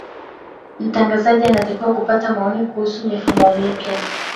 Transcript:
mtangazaji anatakiwa kupata maoni kuhusu mifumo mipya